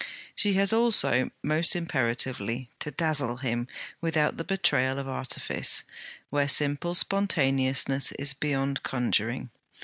She has also, most imperatively, to dazzle him without the betrayal of artifice, where simple spontaneousness is beyond conjuring.